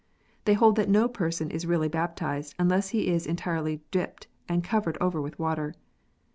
They hold that no person is really baptized unless he is entirely "dipped," arid covered over with water.